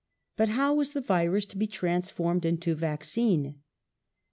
But how was the virus to be transformed into vaccine?